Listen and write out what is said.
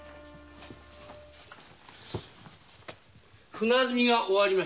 船積みが終わりました。